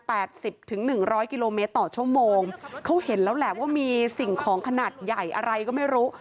สิบถึงหนึ่งร้อยกิโลเมตรต่อชั่วโมงเขาเห็นแล้วแหละว่ามีสิ่งของขนาดใหญ่อะไรก็ไม่รู้